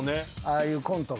ああいうコントが。